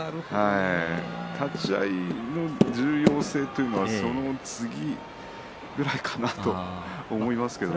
立ち合いの重要性というのはその次ぐらいかなと思いますけれどね。